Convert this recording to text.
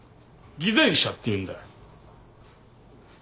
偽善者っていうんだよ。